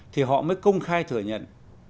thì họ mới công khai thừa nhận